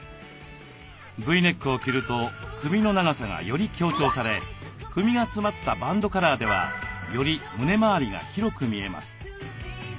Ｖネックを着ると首の長さがより強調され首が詰まったバンドカラーではより胸回りが広く見えます。